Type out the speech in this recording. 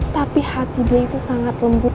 tapi hati dia itu sangat lembut